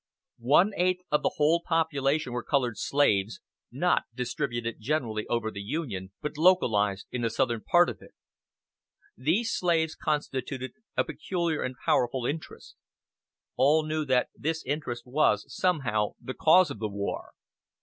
"One eighth of the whole population were colored slaves, not distributed generally over the Union, but localized in the southern part of it. These slaves constituted a peculiar and powerful interest. All knew that this interest was, somehow, the cause of the war.